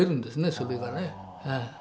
それがね。